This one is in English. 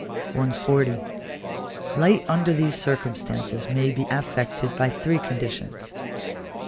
140. Light under these circumstances may be affected by three conditions.